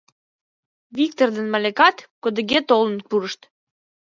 Виктыр ден Маликат кодыге толын пурышт.